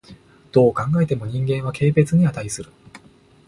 どう考えても人間は軽蔑に価する。